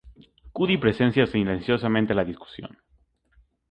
Cuddy presencia silenciosamente la discusión.